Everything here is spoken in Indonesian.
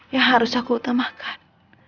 yang harus aku utamakan